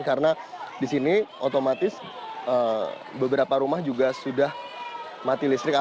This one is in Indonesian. karena di sini otomatis beberapa rumah juga sudah mati listrik